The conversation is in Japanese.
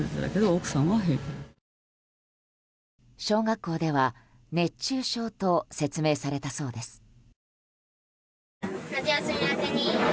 小学校では熱中症と説明されたそうです。